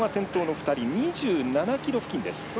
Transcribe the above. ２７ｋｍ付近です。